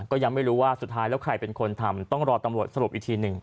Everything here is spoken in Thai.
ก็ยังไม่รู้ว่าสุดท้ายแล้วใครเป็นคนทำต้องรอตำรวจสรุปอีกทีหนึ่ง